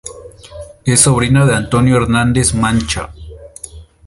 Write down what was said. Es sobrina de Antonio Hernández Mancha.